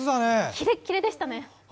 キレッキレでしたね。